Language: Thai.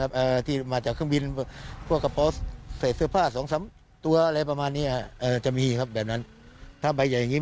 ใครมีเหตุทะเลาะกันแถวนี้บ้างไหม